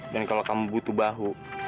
dan kalau kamu butuh bantuan